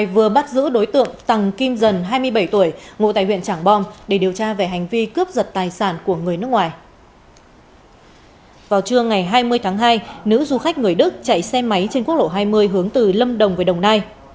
vào trưa ngày hai mươi tháng hai nữ du khách người đức chạy xe máy trên quốc lộ hai mươi hướng từ lâm đồng về đồng nai